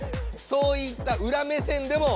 そういったうら目線でも。